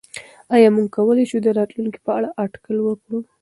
آیا موږ کولای شو د راتلونکي په اړه اټکل وکړو؟